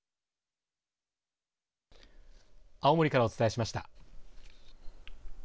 青森からお伝えしました。